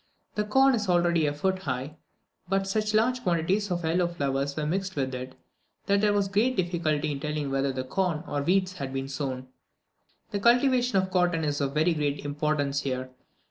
The corn was already a foot high; but such large quantities of yellow flowers were mixed with it, that there was great difficulty in telling whether corn or weeds had been sown. The cultivation of cotton is of very great importance here.